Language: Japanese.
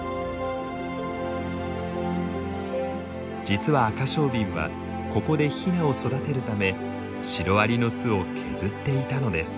実はアカショウビンはここでヒナを育てるためシロアリの巣を削っていたのです。